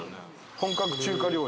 「本格中華料理」。